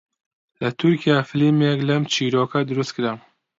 لە تورکیا فیلمێک لەم چیرۆکە دروست کرا